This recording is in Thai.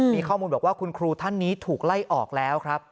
มีข้อมูลบอกว่าคุณครูท่านนี้ถูกไล่ออกแล้วครับ